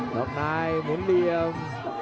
ลองนายหมุนเหลี่ยม